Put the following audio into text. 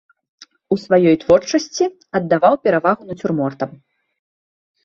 У сваёй творчасці аддаваў перавагу нацюрмортам.